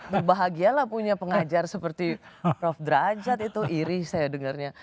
berbahagialah punya pengajar seperti prof derajat itu iri saya dengarnya